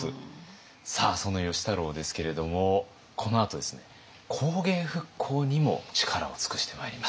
さあその芳太郎ですけれどもこのあとですね工芸復興にも力を尽くしてまいります。